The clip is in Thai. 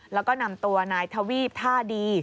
แล้วก็นำตัวนายทวีปท่าดี